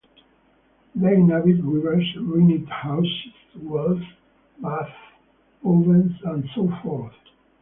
They inhabit rivers, ruined houses, wells, baths, ovens, and so forth.